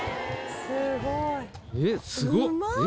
すごい！